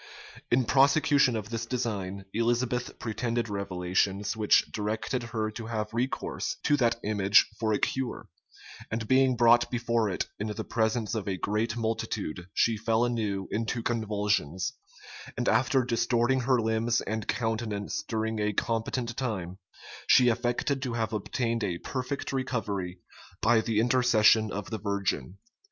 In prosecution of this design, Elizabeth pretended revelations which directed her to have recourse to that image for a cure; and being brought before it, in the presence of a great multitude, she fell anew into convulsions: and after distorting her limbs and countenance during a competent time, she affected to have obtained a perfect recovery by the intercession of the Virgin.